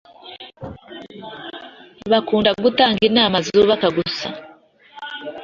Bakunda gutanga inama zubaka gusa